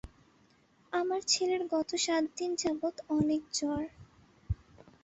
আমার ছেলের গত সাত দিন যাবত অনেক জ্বর।